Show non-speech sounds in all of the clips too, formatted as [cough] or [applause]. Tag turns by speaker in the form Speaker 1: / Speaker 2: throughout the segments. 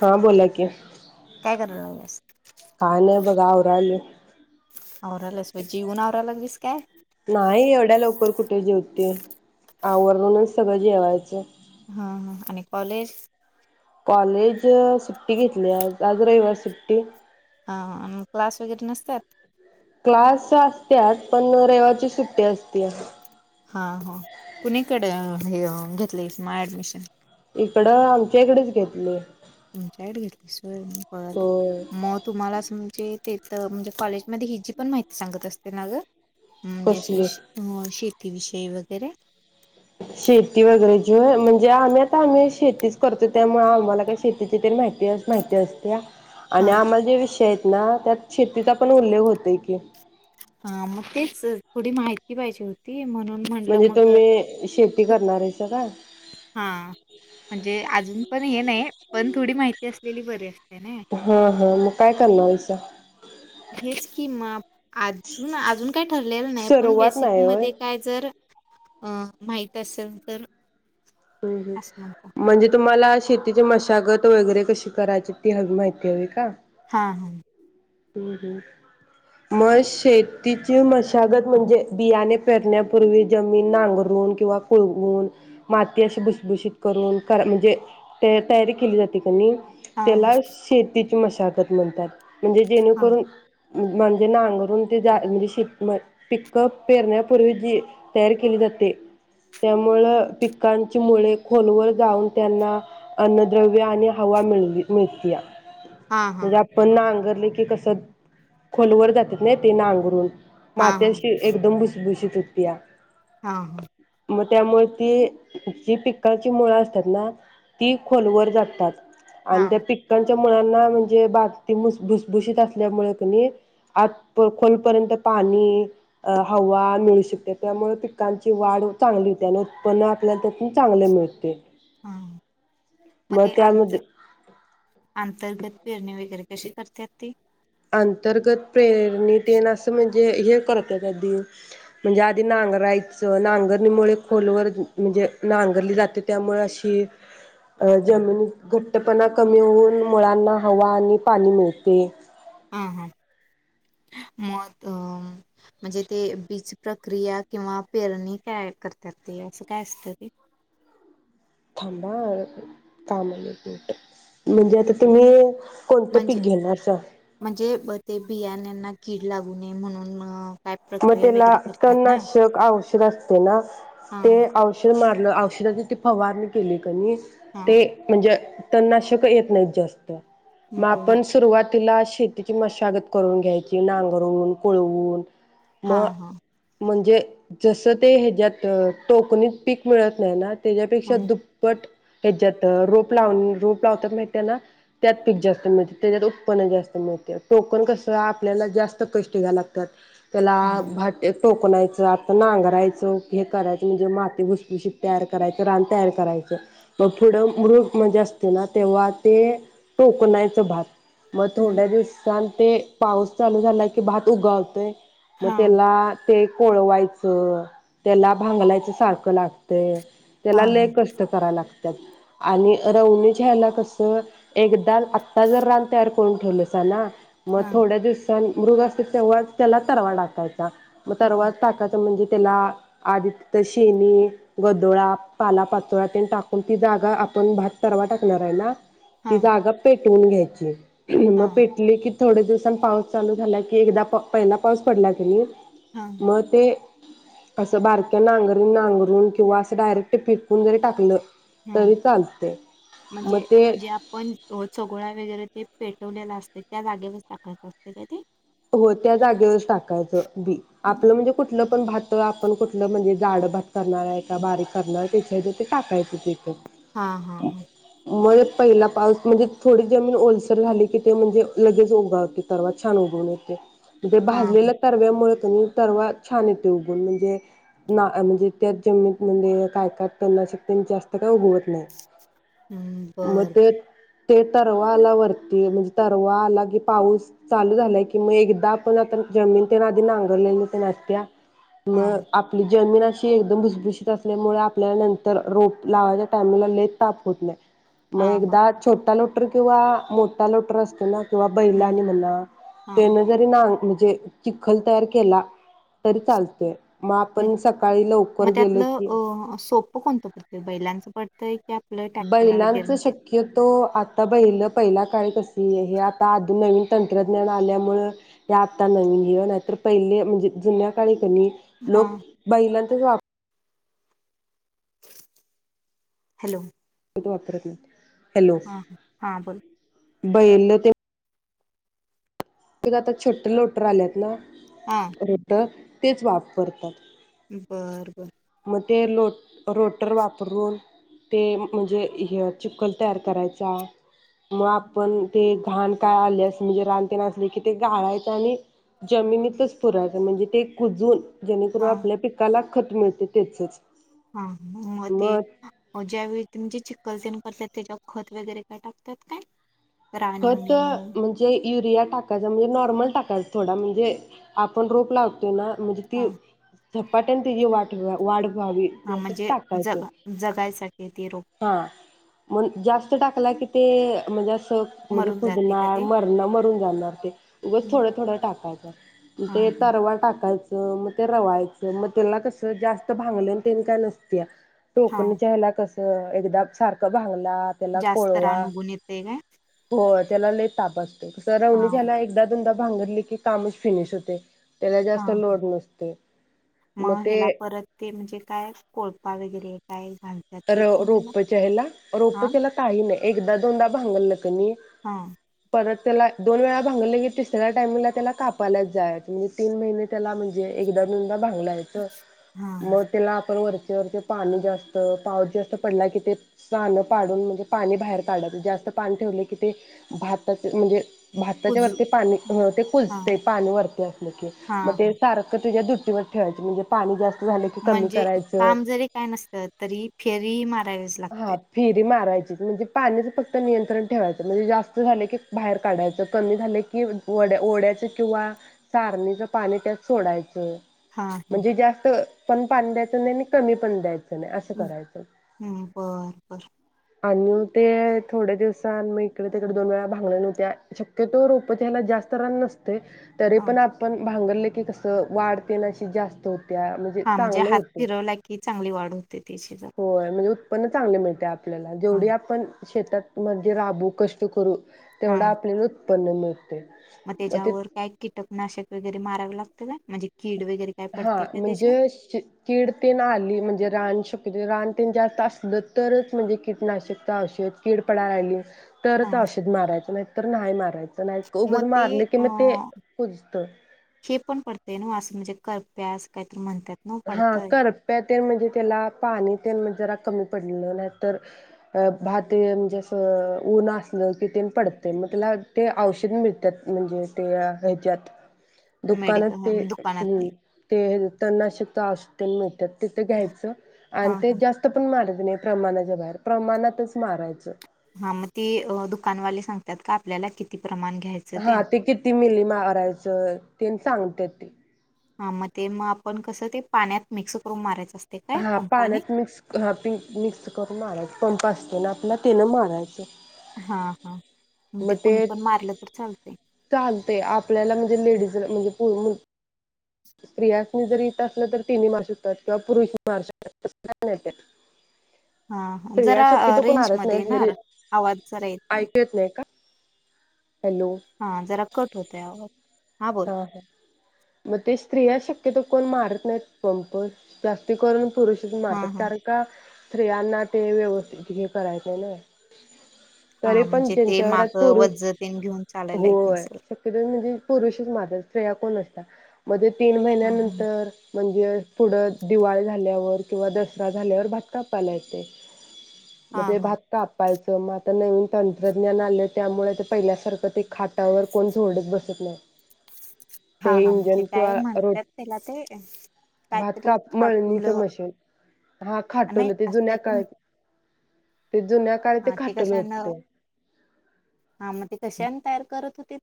Speaker 1: हा बोला कि,
Speaker 2: काय करायला लागल्यास?
Speaker 1: काय नाही बघा आले
Speaker 2: आवरायलास व्हय जेवून आवरायला लागलीस काय?
Speaker 1: नाही एवढ्या लवकर कुठे जेवतीय आवरूनच सगळं जेवायचं
Speaker 2: हा हा आणि कॉलेज
Speaker 1: कॉलेज अ सुट्टी घेतली आज, आज रविवार सुट्टी
Speaker 2: हा आणि क्लास वगैरे नसतात
Speaker 1: क्लास असत्या, पण रेवाची सुट्टी असती.
Speaker 2: हा हा कुणीकडे हे अ घेतलंय माय ॲडमिशन
Speaker 1: इकडं आमच्या इकडचं घेतली.
Speaker 2: [unintelligible] ते
Speaker 1: होय
Speaker 2: तिथं, म्हणजे कॉलेज मध्ये हिची पन माहिती सांगत असते ना ग?
Speaker 1: कसली
Speaker 2: [unintelligible] ते विषय वैगरे?
Speaker 1: शेती वगैरे ची होय म्हंजे आम्ही, तं आम्ही शेतीच करतोय त्यामुळे आम्हाला ते काय शेतीची माहिती, माहिती असतंय हा. आणि
Speaker 2: हा
Speaker 1: आम्हाला जे विषय दिलेत नाव त्यात शेतीचा पन उल्लेख होतोय कीं.
Speaker 2: हा, मग तेच थोडी माहिती पाहिजे होती. म्हणून म्हणलं
Speaker 1: म्हणजे
Speaker 2: मग
Speaker 1: तुम्ही शेती
Speaker 2: तू
Speaker 1: करणार हायसा काय?
Speaker 2: हा, म्हणजे अजून पन हे नाही. पन थोडी माहिती असलेली बरी असतय नाई?
Speaker 1: हा हा मग काय करणार आहेसा?
Speaker 2: हेच कीं मापं. अजून अजून काय ठरलेलं नाही पण
Speaker 1: सर्वात
Speaker 2: बेसिक
Speaker 1: नाही होय
Speaker 2: मध्ये काय जर अ माहित असेल तर
Speaker 1: हम्
Speaker 2: असं म्हणतो
Speaker 1: हम म्हणजे तुम्हाला असं शेतीची मशागत वगैरे कशी करायची ती हवी माहिती हवी का?
Speaker 2: हा हा.
Speaker 1: हं हं मग शेतीची मशागत म्हणजे बियाणे पेरण्यापूर्वी जमीन नांगरून, किंवा कुळवून माती अशी भुसभूशीत करून कर.. म्हंजे तं.. तयारी केली जाते काय?
Speaker 2: हा
Speaker 1: त्याला शेती ची मशागत म्हणतात. म्हणजे
Speaker 2: हा
Speaker 1: जेणेकरून म्हणजे नांगरून ते जा म्हंजे शिपण पीक पेरण्यापूर्वी जी तयारी केली जाते. त्यामुळं पिकांची मुळे खोलवर जाऊन त्यांना अन्नद्रव्य आणि हवा मिल मिळतीया.
Speaker 2: हा हा
Speaker 1: म्हणजे आपन नांग लं की कसं खोलवर जात्यात नाय ते नांगरून.
Speaker 2: हा
Speaker 1: माती
Speaker 2: हा
Speaker 1: अशी एकदम भुसभूशीत हुत्या.
Speaker 2: हा हा.
Speaker 1: मग त्यामुळे ती, जी पिक्काची मूळ असतात ना ती खोलवर जात्यात.
Speaker 2: हा
Speaker 1: अन् त्या पिकल च्या मुळाना म्हणजे बागती मुस भुसभूषित असल्यामुळे किनई, आत खोलपर्यंत पानी, हवा, मिळू शकते. त्यामुळे पिकांची वाढ चांगली होते. आणि उत्पन्न आपल्या त्यातून चांगले मिळते.
Speaker 2: हा, मं
Speaker 1: मग
Speaker 2: ते अंत..
Speaker 1: त्यामध्ये
Speaker 2: आंतर्गत पेरणी वैगरे कशी करत्यात ती?
Speaker 1: अंतर्गत? पेरणीतेन असं वेग जे हे करत्यात आदी, म्हंजे आदी नांगरायचं, नांगरणीमुळे खोलवर म्हंजे नांगरली जाते त्यामुळे अशी अं जमिनीत घट्टपना कमी होऊन मुळांना हवा आणि पानी मिळते.
Speaker 2: हं हं मग अ म्हणजे ते बीजप्रक्रिया किंवा पेरणी काय करतात ते असं काय असत ते?
Speaker 1: थांबा हं कामात होते. म्हणजे आता तुम्ही कोणतं पीक
Speaker 2: म्हणजे
Speaker 1: घेणारसा?
Speaker 2: म्हणजे ब ते बियानांना किड् लागू नये म्हणून म्
Speaker 1: म त्याला तननाशक औषध असतंय ना,
Speaker 2: हा
Speaker 1: ते औषध मार् ल, औषधाची ती फवारणी केली कनी
Speaker 2: हा
Speaker 1: ते म्हणजे तननाशकंयेत नाहीत जास्त. मग
Speaker 2: बर
Speaker 1: आपण सुरुवात् तिला शेतीची मशागत करून घ्यायची, नांगरुन, कोळवून म
Speaker 2: हां हां
Speaker 1: म्हणजे जसं ते हेच्यात टोकणीत पीक मिळत नाही ना त्याच्यापेक्षा
Speaker 2: हां
Speaker 1: दुप्पट हेच्यात रोप लावून रोप लावतात माहितीया ना त्यात पीक जास्त मिळतय, त्याच्यात उत्पन्न जास्त मिळतय, टोकण कसं आपल्याला जास्त कष्ट घ्याय लागत्यात. त्याला
Speaker 2: हां
Speaker 1: भाट्याचं टोकणायचं आता नांगरायचं, हे करायचं म्हणजे माती भुसभुशीत तयार करायचं, रान तयार करायचं, मग पुढं मृग म्हणजे असतय ना तेव्हा ते टोकणायचं भात. मग
Speaker 2: हं,
Speaker 1: थोड्या दिवसान ते पाऊस चालू झाला की भात उगावतय. म
Speaker 2: हां
Speaker 1: तेला ते कोळवायचं, त्याला भांगलायचं सारखं लागतंय. त्याला
Speaker 2: हां
Speaker 1: लय
Speaker 2: हां
Speaker 1: कष्ट करा लाग त्यात आणि रवणीच्या ह्याला कसं एकदा आत्ता जर रान तयार करून ठेवलंसा ना म
Speaker 2: हां
Speaker 1: थोड्या दिवसांन मृग असतील तेव्हाच त्याला त रवा टाकायचा. मग त
Speaker 2: बर
Speaker 1: रवात टाकायचा म्हणजे त्याला आधी ते शेनी, गदोळा, पालापाचोळा तेन टाकून ती जागा आपण भात त रवा टाकणार आहे ना ती
Speaker 2: हां
Speaker 1: जागा पेट टवून घ्यायचीआहे.
Speaker 2: हां
Speaker 1: म पेटले की थोड्या दिवसांन पाऊस चालू झाला की एकदा प पहिला पाऊस पडला कनी
Speaker 2: हां
Speaker 1: म ते असं बारक्या नांगरी नांगरून किंवा असं डायरेक्ट पीकून जरी टाकलं
Speaker 2: हा
Speaker 1: तरी चालते मग
Speaker 2: म्हणजे
Speaker 1: ते
Speaker 2: जे आपण ओ, चगोळा वगैरे ते पेटवलेला असते, त्या जागेवरच टाकायच असते काय ते?
Speaker 1: हो त्या जागेवरच टाक कायचं बी, आपलं म्हणजे कुठलं पण भात आपण कुठलं म्हणजे जाडं भात करणार आहे का बारीक करणार आहे त्याच्या तर ते टाकायचं तेथं.
Speaker 2: हा हा हा.
Speaker 1: म पहिला पाऊस म्हणजे थोडी जमीन ओलसर झाली की, ते म्हणजे लगेच उगावतय तरवा छान उगवने ते बे
Speaker 2: हां
Speaker 1: भाजलेल्या तरव्यामुळे तुम्ही तरवा छान येते उघून म्हणजे ना म्हणजे त्या जममीत म्हणजे काय काय त्यांना शकते जास्त काय उगवत नाही.
Speaker 2: हम्म
Speaker 1: मग
Speaker 2: बरं.
Speaker 1: ते ते तरवा आला वरती म्हणजे, तरवा आला की पाऊस चालू झालाय की की मग एकदा आपण आता जमीन त्या आधी नांगरलेल तेन आत्या मग
Speaker 2: हां
Speaker 1: आपली जमीन अशी एकदम भुशभुशीत असल्यामुळे आपल्याला नंतर रोप लावायच्या टाइमला लय ताप होत नाही. मग
Speaker 2: हां हां
Speaker 1: एकदा छोटा लो लटर किंवा मोठा लोटर असतो ना किंवा
Speaker 2: हं,
Speaker 1: बैलाने म्हणला.
Speaker 2: हां
Speaker 1: ते जरी ना सांग म्हणजे चिखल तयार केला, तरी चालतय.
Speaker 2: मग त्यातलं
Speaker 1: की
Speaker 2: अ सोपं कोणतं प बैलांचं प त [unintelligible]
Speaker 1: बैलांच शक्य तो, आता बैल पहिला काय कस. की हे आता अधून नवीन तंत्रज्ञान आल्यामुळं, ते आत्ता नवीन जीवन आहेत. तर पहिले म्हणजे जुन्या काळी. नी लोक
Speaker 2: हां
Speaker 1: बैलांचा वाप
Speaker 2: हॅलो.
Speaker 1: वापरत नाही.
Speaker 2: हा हा हा बोल.
Speaker 1: बैललं ते. त आता छोट्टे लोटर आलेत ना.
Speaker 2: हां
Speaker 1: रोटा तेच वापरतात.
Speaker 2: बर बर.
Speaker 1: मग ते लो रोटर वापरून ते, म्हणजे ह चिखखल तयार करायचा, मग आपण ते घाण काय आले अस म्हणजे रानते असलं की, ते गाळायच आणि जमिनीतच पुरायचं म्हणजे ते कुजून जेणेकरून
Speaker 2: हां
Speaker 1: आपल्या पिकाला. खत मिळतंय. तेचच
Speaker 2: हा मग ते ज्यावेळीजे चिखलते त्याच्या खत वगैरे काय टाकतात काय रान येऊ
Speaker 1: खत
Speaker 2: नये म्हणून
Speaker 1: म्हणजे युरिया टाकायचं म्हणजे नॉर्मल टाकाय का थोडा म्हणजे आपण रोप लावतो ना म्हणजे
Speaker 2: हा
Speaker 1: ते झपाट्यान तझी वाट वाढ
Speaker 2: हा म्हणजे जग जगायसाठी ते रोप
Speaker 1: [unintelligible] म्हणजे अस म्हणजे
Speaker 2: मरून जाते का
Speaker 1: खुजणार
Speaker 2: ते
Speaker 1: मरणं मरून जाणार ते उगच थोडं थोडं टाकायचं
Speaker 2: हा
Speaker 1: ते तरवा टाकायचं मग ते रवायचं मग त्याला कसं जास्त भांगले त्यानी काय नसत
Speaker 2: हा
Speaker 1: टोकन ला कस एकदा सारखं भांगलं
Speaker 2: जास्तरानु गुणित आहे
Speaker 1: हो त्याला ल तापासत राहला एकदा दोनदा नांगरली की कामच फिनिश होते त्याला
Speaker 2: हा
Speaker 1: जास्त लोड नसते
Speaker 2: मग ह्याला परत ते म्हणजे काय पाळकले काय घालतात ते पण घाला
Speaker 1: रोपच ह्याला
Speaker 2: हा
Speaker 1: रोपच्याला काही नाही एकदा दोनदा भांगर कणी
Speaker 2: हा
Speaker 1: परत त्याला दोन वेळा भांगले की तिसऱ्या टामिंगला त्याला कापायच जाय म्हणजे तीन महिने त्याला म्हणजे एकदा दोन भगयच
Speaker 2: हा
Speaker 1: मग त्याला आपण वर तेर ते पाणी जास्त पाऊस जास्त पडला की ते साणं पाडून म्हणजे पाणी बाहेर काढत जास्त पाणी ठेवले की ते भाताचे म्हणजे भाताच्या
Speaker 2: पुजू
Speaker 1: वरती पाणी ते
Speaker 2: हा
Speaker 1: कुजते पाणी वरती असले की
Speaker 2: हा
Speaker 1: मग ते
Speaker 2: हा
Speaker 1: सारक तुझ्या दुट ठेवायचे म्हणजे पाणी जास्त झालं की कमी
Speaker 2: म्हणजे
Speaker 1: करायचं
Speaker 2: काम जरी काय नसतात तरी फेरी म
Speaker 1: हा फिरी मारायची म्हणजे पाणीच फक्त नियंत्रण ठेवायचं म्हणजे जास्त झाले की बाहेर काढायचं कमी झाले कि्या ओढ्याच किंवा चारणीच पाणी त्यात सोडायचं
Speaker 2: हा हा
Speaker 1: म्हणजे जास्त पण पान द्यायचं नाही आणि कमी पण द्यायचं नाही असं करायचं.
Speaker 2: हम्म बर बर.
Speaker 1: आणि ते थोड्या दिवसांन मग इकड तिकड दोन वेळा भांगलन व्हत्या शक्यतो रोपच्याला जास्त रान नसत तरी
Speaker 2: हा
Speaker 1: पण आपण भांगरले की कसं वाढतेन अशी जास्त होत
Speaker 2: हा म्हणजे हात फिरवला की चांगली वाढ होते त्या शेतात
Speaker 1: चांगलं मिळतंय आपल्याला जेवढी आपण शेतातमध्ये राबू कष्ट करू तेवढ आपले उत् पणम
Speaker 2: म त्येच्यावर काय कीटकनाशक वगैरे मारावी लागत ना
Speaker 1: हा म्हणजे कीडतीन आली म्हणजे रानशक रान तेन जास्त असलं तरच म्हणजे कीटनाशकता अशी कीड पडा यली
Speaker 2: हा
Speaker 1: तरच औषध मारायचं नाही तर नाही मारायचं नाही उगंच
Speaker 2: मग ते
Speaker 1: मारले कि
Speaker 2: अ
Speaker 1: म ते कुजत.
Speaker 2: ते नव्हं असं म्हणजे करप्या असं काहीत म्हणतात ना
Speaker 1: हा
Speaker 2: पडतंय
Speaker 1: करप्या तेन म्हणजे त्याला पाणी तेन म्हणजे जरा कमी पडलं नाहीतर अ भात म्हणजे अस ऊनं असलं की तेन पडतय मग त्याला ते औषध मिळतात म्हणजे ते ह्याच्यात दुकाना
Speaker 2: मेडिक
Speaker 1: ते
Speaker 2: दुकानात
Speaker 1: तननाशक पास्न मिटत [unintelligible] तिथं घ्यायचं आणि
Speaker 2: हा
Speaker 1: ते
Speaker 2: हा
Speaker 1: जास्त पण मार प्रमाणाच्या बाहेर प्रमाणातच मारायचं.
Speaker 2: हा मग ते दुकानवाले सांगतात का आपल्याला किती प्रमाण घ्यायचं
Speaker 1: हा ते किती मिली मारायचं तेन सांगत्यात. ते.
Speaker 2: हा मग ते मग आपण कसं ते पाण्यात मिक्स करून मारायचं. असते काय
Speaker 1: हा
Speaker 2: पंपाने
Speaker 1: पाण्यात मिक्स ह प मिक्स करून मारायच पंप असत ऊनातन तेनं मारायच.
Speaker 2: हा हा.
Speaker 1: मग ते
Speaker 2: कुणी पण मारलं तर चालतंय
Speaker 1: चालतय आपल्याला म्हणजे लेडीज म्हणजे होूण [unintelligible] स्त्रियासनी जर इथं असलं तर तिन्ही मारू शकतात. किंवा पुरुष ही मारू शकतात. तसं काय नाहीय ते.
Speaker 2: हा जरा रेंज मध्ये
Speaker 1: नाहीत
Speaker 2: येणार?
Speaker 1: म्हणजे
Speaker 2: आवाज जरा येत नाही.
Speaker 1: ऐकू येत का हॅलो
Speaker 2: हा जरा कट होतय आवो
Speaker 1: व व तेस स्त्रिया शक्यतो कोण मारत नाहीत पंपर्स प्लास्टिकवरून पुरुषच
Speaker 2: हा
Speaker 1: मारतात
Speaker 2: हा
Speaker 1: कारण का स्त्रियांना ते व्यवस्थित हे करायचं ना तरी
Speaker 2: हा
Speaker 1: पण
Speaker 2: म्हणजे ते
Speaker 1: त्यांच्या घरात
Speaker 2: माग
Speaker 1: पुरुष
Speaker 2: वज तेन घेऊन चालायला येत
Speaker 1: होय
Speaker 2: नसेल
Speaker 1: शक्यतो म्हणजे पुरुष दस्ते या कोन असता मध्ये ते तीन
Speaker 2: हा
Speaker 1: महिन्यानंतर म्हणजे पुढं दिवाळी झाल्यावर किंवा दसरा झाल्यावर भात कापपायला येते
Speaker 2: हा हा
Speaker 1: म्ते
Speaker 2: हा
Speaker 1: भात कापायच तर मग आता नवीन तंत्रज्ञान आलं त्यामुळे ते पहिल्यासारखं ते खाटावर कोण झोडत बसत नाही
Speaker 2: हा
Speaker 1: ते
Speaker 2: हा म्हणजे
Speaker 1: इंजन
Speaker 2: काय
Speaker 1: किंवा रोट
Speaker 2: म्हणतात त्याला ते
Speaker 1: भात
Speaker 2: काहीतरी
Speaker 1: काप मळणीचं
Speaker 2: खाटुलं
Speaker 1: मशीन हा
Speaker 2: नाही
Speaker 1: खाटोल ते
Speaker 2: असं
Speaker 1: जुन्या
Speaker 2: काहीतरी
Speaker 1: काळ ते जुन्या काळी
Speaker 2: हा ते
Speaker 1: खाटोल होत.
Speaker 2: कशानं हा मग ते कशानं तयार करत होते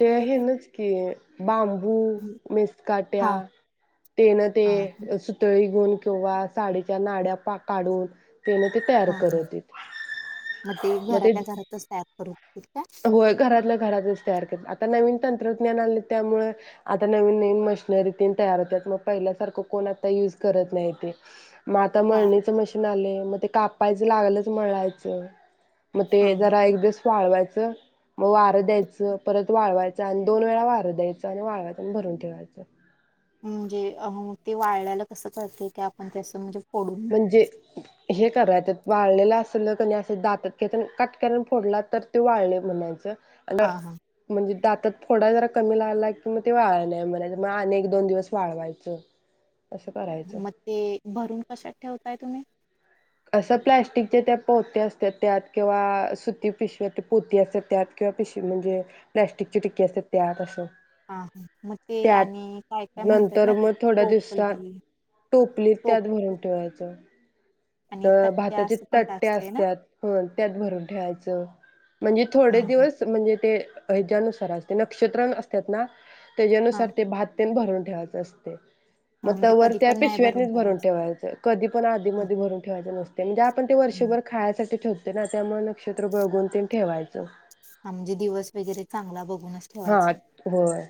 Speaker 1: ते या हेनच की बांबू
Speaker 2: हा
Speaker 1: मिेसकाट्या तेन ते
Speaker 2: हा हा
Speaker 1: सुतळी गुण किंवा साडीच्या नाड्या काढून तेन ते तयार
Speaker 2: हा
Speaker 1: करत
Speaker 2: ह
Speaker 1: होतीत.
Speaker 2: मग ते घरातल्या घरातच तयार करत होतीत काय
Speaker 1: होय घरातल्या घरातच तयार कर आत आता नवीन तंत्रज्ञान आणलेत त्यामुळ आता नवीन नवीन मशनरी तेन तयार होतात मग पहिल्यासारख कोण आता युज करत नाही ते मआता
Speaker 2: हा
Speaker 1: मळणीचं मशीन आले म ते काप कापायचं लागलच मळ्याचं म ते
Speaker 2: हा हा
Speaker 1: जरा एक दिवस वाळवायच च म वारं द्यायचं परत वाळवायच आणि दोन वेळा वारं द्यायचं आणि वाळवायचं आणि भरून ठेवायचं.
Speaker 2: म्हणजे अ ते वाळ्याल कसं कळते क आपण ते असं म्हणजे फोडून
Speaker 1: म्हणजे हे कराय वाळलेलं असल कनय असं दातात खेचुन कट करन फोडला तर ते वाळले म्हणायचं अ
Speaker 2: हा हा
Speaker 1: म्हणजे दात त थोडा जरा कमी लागला की म ते वाळ नाही म्हणायच म आणि एक दोन दिवस वाळवायचं असं करायचं
Speaker 2: म ते भरून कशात ठेव ताय तुम्ही
Speaker 1: असं प्लॅस्टिकच्या त्या पोत्या असतात त्यात किंवा सुती पिशवी पोती असत त्यात किंवा पिशवी म्हणजे प्लॅस्टिकची टिकी असतात त्यात असं
Speaker 2: हा हा मग ते
Speaker 1: त्यात
Speaker 2: आणि काय काय म्हणतात
Speaker 1: नंतर
Speaker 2: ना ते
Speaker 1: मग थोड्या दिवसा
Speaker 2: टोपली
Speaker 1: टोपलीत त्यात
Speaker 2: टोप
Speaker 1: भरून ठेवायचं
Speaker 2: आणि
Speaker 1: तर
Speaker 2: तट्ट्या
Speaker 1: भाताचे
Speaker 2: असं पण काय
Speaker 1: तट्टे
Speaker 2: असतंय ना
Speaker 1: असत्याात त्यात भरून ठेवायचं म्हणजे थोडे
Speaker 2: हा
Speaker 1: दिवस म्हणजे ते हे ज्यानुसार असते नक्षत्र असतात ना त्याज्या
Speaker 2: हा
Speaker 1: नुसार ते भात तेन भरून ठेवाच असते. म
Speaker 2: हा
Speaker 1: त
Speaker 2: म्हणजे
Speaker 1: वर
Speaker 2: कधी
Speaker 1: त्या
Speaker 2: पण नाही
Speaker 1: पिशव्यातनी भरून ठेवायचं कधी पण
Speaker 2: हा
Speaker 1: आधीमध्यी भरून खायचं नसतय ते पण वर्षभर खायांच ते ठेवते ना त्यामुळे नक्षत्र बघून तेण ठेवायचं.
Speaker 2: हा म्हणजे दिवस वगैरे चांगला बघू
Speaker 1: हाट होय.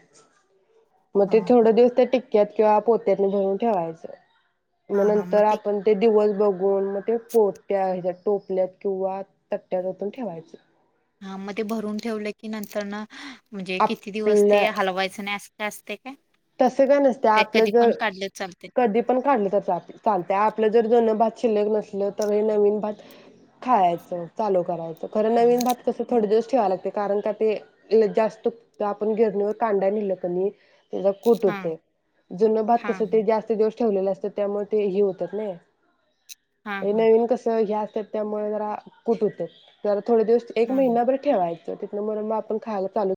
Speaker 1: म
Speaker 2: हा
Speaker 1: ते थोड दिवस ते टिक त्यात किंवा पोत्यातन भरून ठेवायचं
Speaker 2: हा
Speaker 1: म
Speaker 2: हा मग
Speaker 1: नंतर आपण ते दिवस गोड म ते पोट्या ह्याज्यात टोपल्यात किंवा तट्ट्यात ओतून ठेवायचं.
Speaker 2: हां म भरून ठेवलं की नंतर न म्हणजे किती दिवस ते हलवायचं नाय अस हे असतय
Speaker 1: तस काय नसतय आपलं जर
Speaker 2: काढलं चालते
Speaker 1: कधी पण काढलं तर चालत आपलं जर जूनं भात शिल्लक नसलं तर हे नवीन भात खायचं चालू करायचं. खर नवीन भात कस थोडे दिवस ठेवायला लागतय. कारण का ते जास्त फक्त आपण गिरणीवर कांडायला नेल कणी त्याचा कुट
Speaker 2: हा
Speaker 1: होतय जुनं भात
Speaker 2: हा
Speaker 1: कस ते जास्त दिवस ठेवलेलं असतय त्यामुळे ते हे होतात नाही.
Speaker 2: हा हा
Speaker 1: हे नवीन कसं हे अस. त्यामुळे जरा कुट होतय परत. थोडे दिवस एक
Speaker 2: हा
Speaker 1: महिनाभर ठेवायच. तर तितन मुरून मग आपण खायला चालू.